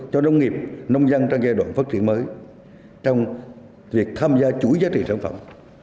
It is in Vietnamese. cho nông nghiệp nông dân trong giai đoạn phát triển mới trong việc tham gia chuỗi giá trị sản phẩm